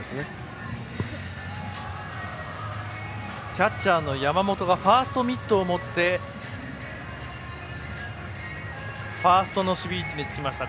キャッチャーの山本がファーストミットを持ってファーストの守備位置につきました。